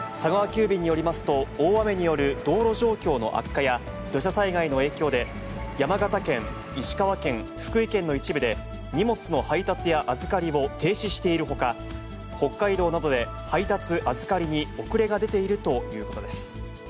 急便によりますと、大雨による道路状況の悪化や土砂災害の影響で、山形県、石川県、福井県の一部で、荷物の配達や預かりを停止しているほか、北海道などで配達・預かりに遅れが出ているということです。